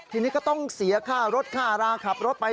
ทีนี้ก็ต้องเสียค่ารถค่าราขับรถไป